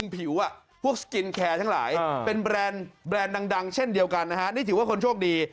ผิวพวกสกินแคร์ทั้งหลายเป็นแบรนด์ดังเช่นเดียวกันนะฮะนี่ถือว่าคนโชคดี